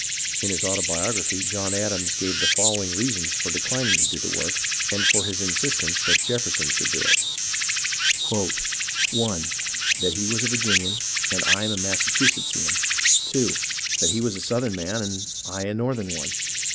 In his autobiography John Adams gave the following reasons for declining to do the work, and for his insistence that Jefferson should do it: " i. That he was a Virginian and I a Massachusettcnsian. 2. That he was a Southern man and I a Northern one.